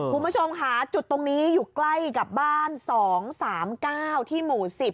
คุณผู้ชมค่ะจุดตรงนี้อยู่ใกล้กับบ้าน๒๓๙ที่หมู่๑๐